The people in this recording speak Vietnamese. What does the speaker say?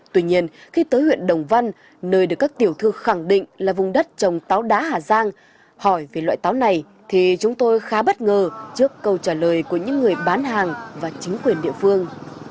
tuy nhiên khi tới huyện đồng văn nơi được các tiểu thư khẳng định là vùng đất trồng táo đá hà giang hỏi về loại táo này thì chúng tôi khá bất ngờ trước câu trả lời của những người bán hàng và chính quyền địa phương